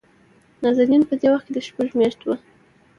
نازنين په دې وخت کې دشپږو مياشتو وه.